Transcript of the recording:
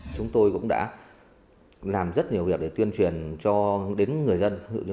chúng tôi cũng đã làm rất nhiều việc để tuyên truyền cho đến người dân